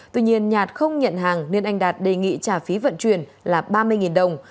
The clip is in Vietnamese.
tuy nhiên nhạt không nhận hàng nên anh đạt đề nghị trả phí vận chuyển là ba mươi đồng